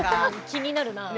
気になるな。